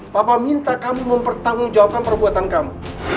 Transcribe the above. papa minta kamu mempertanggung jawaban perbuatan kamu